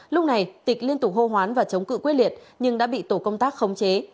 lúc này tịch liên tục hô hoán và chống cự quyết liệt nhưng đã bị tổ công tác khống chế